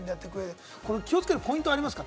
気をつけるポイントはありますか？